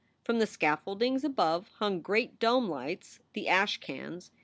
From the scaffoldings above hung great dome lights, the "ash cans."